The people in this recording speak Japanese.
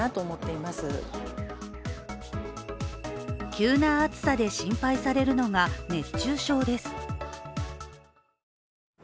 急な暑さで心配されるのが熱中症です。